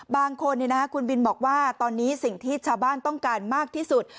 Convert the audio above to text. บางคนคุณบินบอกว่าตอนนี้สิ่งที่ชาวบ้านต้องการมากที่สุด